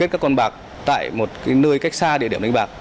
các con bạc tại một nơi cách xa địa điểm đánh bạc